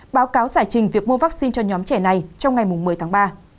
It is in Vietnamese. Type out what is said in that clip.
báo cáo giải trình việc mua vaccine cho nhóm trẻ này trong ngày một mươi tháng ba